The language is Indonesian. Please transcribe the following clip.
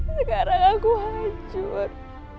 sekarang aku hancur